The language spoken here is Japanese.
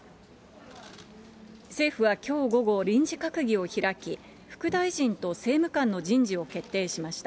政府はきょう午後、臨時閣議を開き、副大臣と政務官の人事を決定しました。